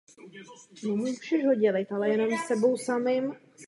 Příběh pojednává o umírání hlavní postavy v blízkosti milenky a manželky.